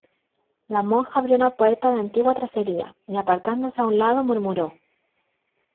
la monja abrió una puerta de antigua tracería, y apartándose a un lado murmuró: